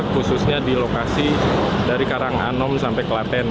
khususnya di lokasi dari karanganom sampai kelaten